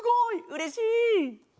うれしい。